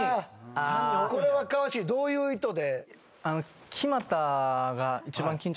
これは川尻どういう意図で？